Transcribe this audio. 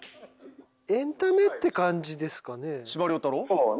エンタメって感じですかね。